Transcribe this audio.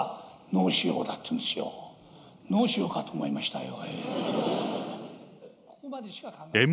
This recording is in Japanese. のうしゅようかと思いましたよ、ええ。